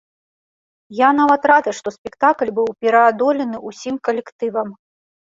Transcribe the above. Я нават рады, што спектакль быў пераадолены ўсім калектывам.